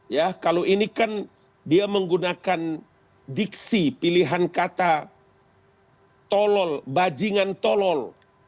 ya kalau ini kan dia menggunakan diksi pilihan kata tolol bajingan tolol